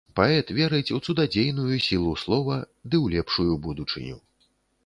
Паэт верыць у цудадзейную сілу слова ды ў лепшую будучыню.